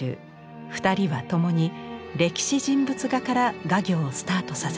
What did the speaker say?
二人はともに歴史人物画から画業をスタートさせました。